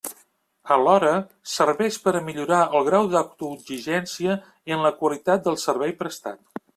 Alhora, serveix per a millorar el grau d'autoexigència en la qualitat del servei prestat.